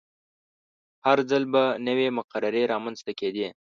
هر ځل به نوې مقررې رامنځته کیدې.